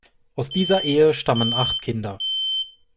Aus dieser Ehe stammen acht Kinder.